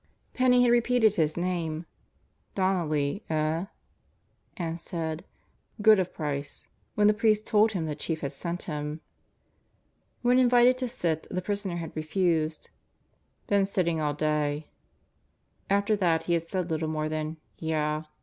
Penney had repeated his name: "Donnelly, eh?" and said: "Good of Price," when the priest told him the Chief had sent him. When invited to sit, the prisoner had refused. "Been sitting all day." After that he had said little more than "Yah."